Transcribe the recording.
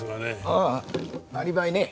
ああアリバイね。